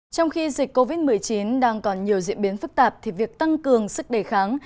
trong khi dịch covid một mươi chín đang còn nhiều diễn biến phức tạp thì việc tăng cường sức đề kháng